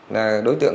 là đối tượng